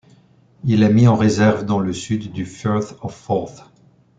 Il est mis en réserve dans le sud du Firth of Forth.